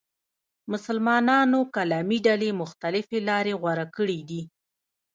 مسلمانانو کلامي ډلې مختلفې لارې غوره کړې دي.